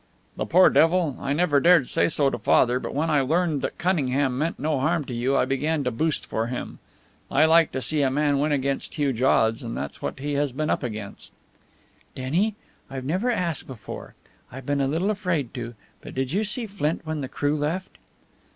"The poor devil! I never dared say so to Father, but when I learned that Cunningham meant no harm to you I began to boost for him. I like to see a man win against huge odds, and that's what he has been up against." "Denny, I've never asked before; I've been a little afraid to, but did you see Flint when the crew left?"